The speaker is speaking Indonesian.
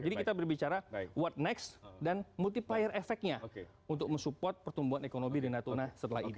jadi kita berbicara what next dan multiplier efeknya untuk mensupport pertumbuhan ekonomi di natuna setelah ini